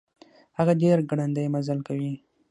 هغه ډير ګړندی مزل کوي.